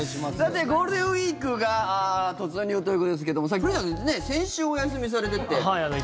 ゴールデンウィークが突入ということですけども古市さん、先週お休みされてて。